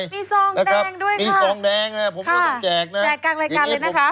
มีซองแดงด้วยนะคะมีซองแดงนะผมก็ต้องแจกนะแจกกลางรายการเลยนะคะ